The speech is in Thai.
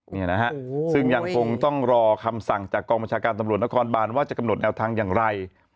นี่นะฮะซึ่งยังคงต้องรอคำสั่งจากกองบัญชาการตำรวจนครบานว่าจะกำหนดแนวทางอย่างไร